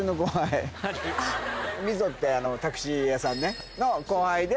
溝ってタクシー屋さんね後輩で。